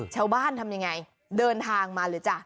ชาวบ้านทำยังไงเดินทางมาเลยจ้ะ